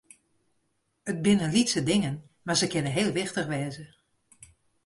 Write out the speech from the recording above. It binne lytse dingen, mar se kinne heel wichtich wêze.